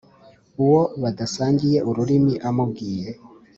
uwo badasangiye ururimi amubwiye